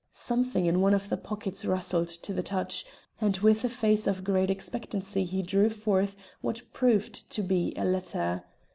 Something in one of the pockets rustled to the touch, and with a face of great expectancy he drew forth what proved to be a letter.